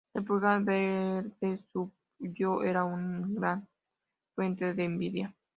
El pulgar verde suyo era una gran fuente de envidia.